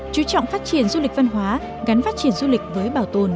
chú trọng phát triển du lịch văn hóa gắn phát triển du lịch với bảo tồn